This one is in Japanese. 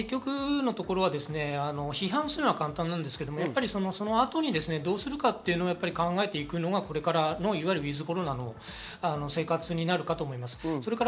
批判するのは簡単ですが、その後にどうするかというのを考えていくのがこれからのｗｉｔｈコロナの生活になるかと思います。